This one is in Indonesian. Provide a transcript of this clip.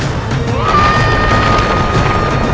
atau tentang kakaknya